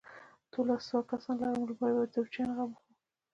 دوولس سوه کسان لرم، لومړۍ به د توپچيانو غم وخورو.